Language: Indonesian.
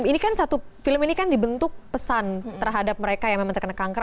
ini kan satu film ini kan dibentuk pesan terhadap mereka yang memang terkena kanker